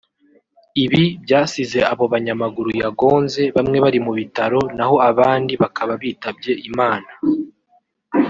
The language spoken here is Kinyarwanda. Ibi byasize abo banyamaguru yagonze bamwe bari mu bitaro naho abandi bakaba bitabye Imana